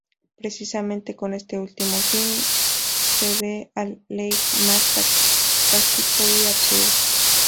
Precisamente con este último film se ve al Leigh más sarcástico y absurdo.